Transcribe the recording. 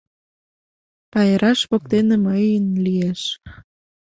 Пайраш воктене мыйын лиеш.